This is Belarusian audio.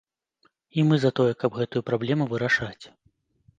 І мы за тое, каб гэтую праблему вырашаць.